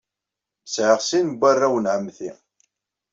Sɛiɣ sin n warraw n ɛemmti.